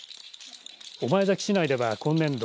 御前崎市内では今年度